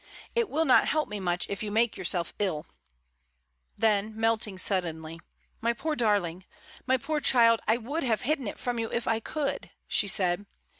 "It will not help me much if you make yourself ill." Then, melting suddenly: "My poor darling! my poor child, I would have hidden it from you if I could," she said.